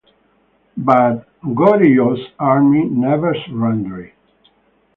But Goryeo's army never surrendered.